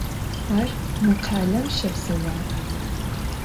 Ar mı khalem şepseua?